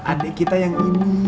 adik kita yang ini